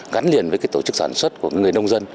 gắn liền với tổ chức sản xuất của người nông dân